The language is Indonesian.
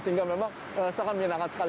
sehingga memang sangat menyenangkan sekali